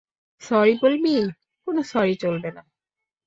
Sorry বলবি, কোন sorry চলবেনা।